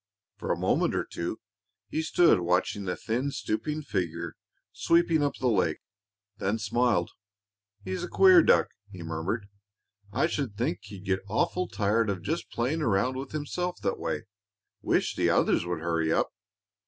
For a moment or two he stood watching the thin, stooping figure sweeping up the lake; then he smiled. "He's a queer duck," he murmured. "I should think he'd get awful tired of just playing around with himself that way. Wish the others would hurry up."